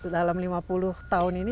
dalam lima puluh tahun ini